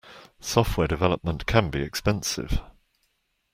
Software development can be expensive.